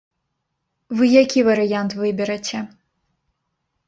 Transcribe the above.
Вы які варыянт выбераце?